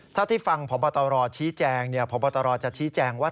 ถ้าที่ฟังพบตรชี้แจงพบตรจะชี้แจงว่า